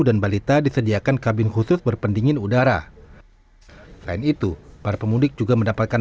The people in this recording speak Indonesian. dan balita disediakan kabin khusus berpendingin udara lain itu para pemudik juga mendapatkan